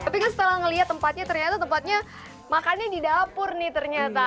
tapi kan setelah melihat tempatnya ternyata tempatnya makannya di dapur nih ternyata